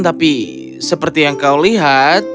tapi seperti yang kau lihat